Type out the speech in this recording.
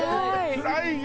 つらいよ！